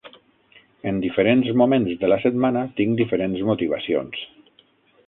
En diferents moments de la setmana tinc diferents motivacions.